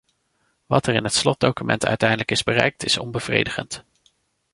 Wat er in het slotdocument uiteindelijk is bereikt, is onbevredigend.